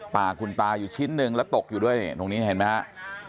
ป่าคุณตาอยู่ชิ้นหนึ่งแล้วตกอยู่ด้วยตรงนี้เห็นไหมครับ